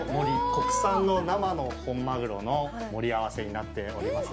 国産の生の本マグロの盛り合わせとなっております。